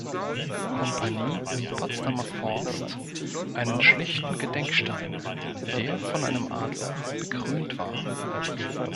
Kompanie im Potsdamer Forst einen schlichten Gedenkstein, der von einem Adler bekrönt war.